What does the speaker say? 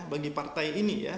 bagi partai ini ya